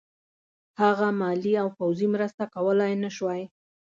هغه مالي او پوځي مرسته کولای نه شوای.